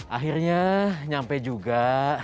akhirnya nyampe juga